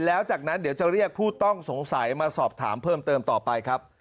แล้วจากนั้นเดี๋ยวจะเรียกผู้ต้องสงสัยมาสอบถามเพิ่มเติมต่อไปครับ